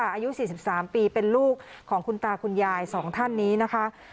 อายุ๔๓ปีเป็นลูกของคุณตาคุณยาย๒ท่านนี้นะคะ